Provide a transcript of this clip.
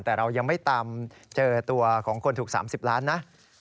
แต่เรายังไม่ตามเจอตัวของคนถูก๓๐ล้านนะ